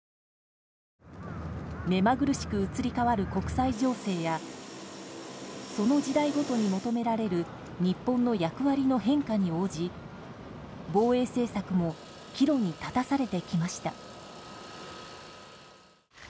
目まぐるしく移り変わる国際情勢やその時代ごとに求められる日本の役割の変化に応じ防衛政策も岐路に立たされてきました。